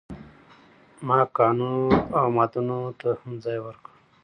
ما کانونو او معادنو ته هم ځای ورکړ.